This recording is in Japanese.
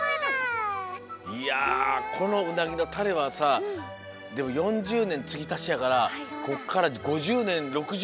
いやこのうなぎのタレはさでも４０ねんつぎたしやからこっから５０ねん６０ねんってさ。